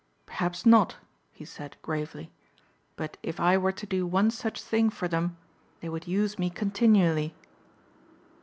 "Perhaps not," he said gravely, "but if I were to do one such thing for them they would use me continually."